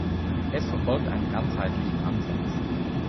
Es verfolgt einen ganzheitlichen Ansatz.